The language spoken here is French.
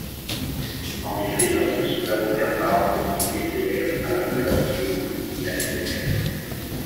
En effet, lorsque son avocat parle, il décélère, alors que lorsqu'il écoute, il accélère.